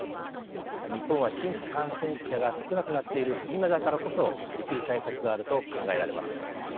日本は、新規感染者が少なくなっている今だからこそできる対策があると考えられます。